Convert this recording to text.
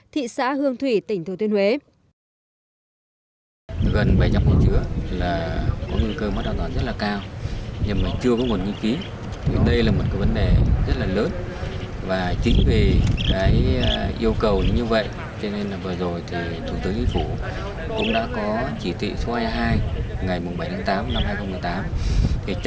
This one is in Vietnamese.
thị xã hương thủy tỉnh thủ tuyên huế